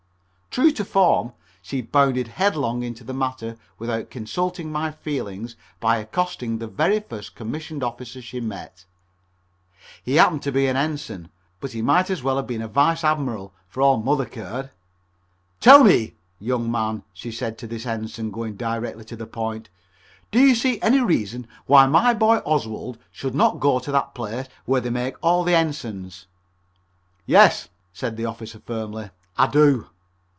True to form, she bounded headlong into the matter without consulting my feelings by accosting the very first commissioned officer she met. He happened to be an Ensign, but he might as well have been a Vice Admiral for all Mother cared. "Tell me, young man," she said to this Ensign, going directly to the point, "do you see any reason why my boy Oswald should not go to that place where they make all the Ensigns?" "Yes," said the officer firmly, "I do."